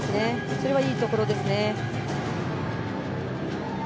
それはいいところですね。